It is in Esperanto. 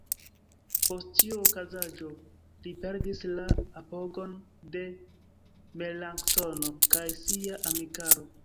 Post tiu okazaĵo, li perdis la apogon de Melanktono kaj sia amikaro.